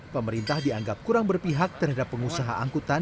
pemerintah dianggap kurang berpihak terhadap pengusaha angkutan